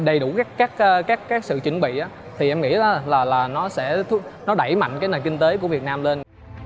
đầy đủ các sự chuẩn bị thì em nghĩ là nó sẽ đẩy mạnh cái nền kinh tế của việt nam lên